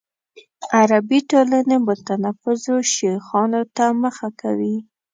عربي ټولنې متنفذو شیخانو ته مخه کوي.